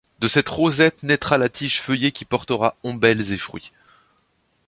De cette rosette naîtra la tige feuillée qui portera ombelles et fruits.